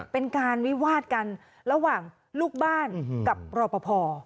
เป็นการวิวาดกันระหว่างลูกบ้านกับรอปภ